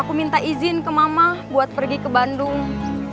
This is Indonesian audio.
aku minta izin ke mama buat pergi ke bandung